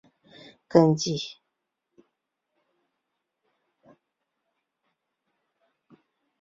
据报起初清理现场的消防人员也未佩戴防护装备。